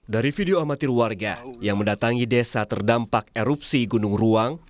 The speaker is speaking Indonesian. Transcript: dari video amatir warga yang mendatangi desa terdampak erupsi gunung ruang